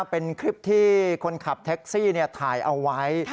เป็นคลิปที่คนขับแท็กซี่ถ่ายเอาไว้